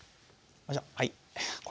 よいしょ。